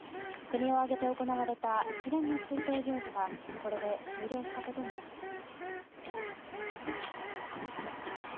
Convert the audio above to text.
国を挙げて行われた一連の追悼行事はこれで終了したことになります。